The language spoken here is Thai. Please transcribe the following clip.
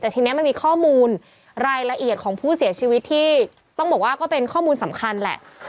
แต่ทีนี้มันมีข้อมูลรายละเอียดของผู้เสียชีวิตที่ต้องบอกว่าก็เป็นข้อมูลสำคัญแหละ